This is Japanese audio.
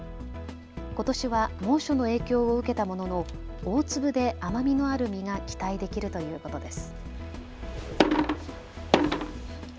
ことしは猛暑の影響を受けたものの大粒で甘みのある実が期待できるということです。